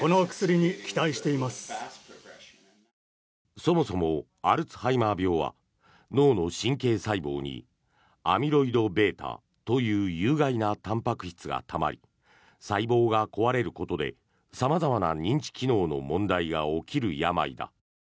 そもそもアルツハイマー病は脳の神経細胞にアミロイドβという有害なたんぱく質がたまり細胞が壊れることで様々な認知機能の問題が起きる病だ。